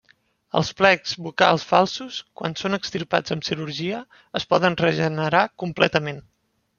Els plecs vocals falsos, quan són extirpats amb cirurgia, es poden regenerar completament.